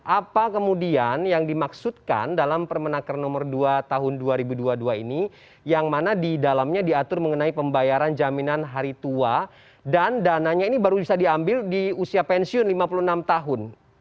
apa kemudian yang dimaksudkan dalam permenaker nomor dua tahun dua ribu dua puluh dua ini yang mana di dalamnya diatur mengenai pembayaran jaminan hari tua dan dananya ini baru bisa diambil di usia pensiun lima puluh enam tahun